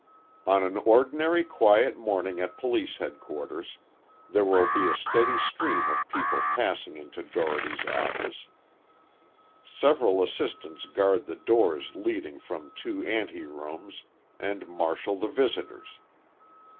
On an ordinarily quiet morning at Police Headquarters, there will be a steady stream of people passing into Dougherty's office. Several assistants guard the doors leading from two ante rooms, and marshal the visitors.